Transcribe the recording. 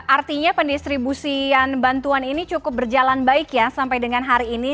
artinya pendistribusian bantuan ini cukup berjalan baik ya sampai dengan hari ini